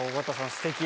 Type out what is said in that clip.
すてき。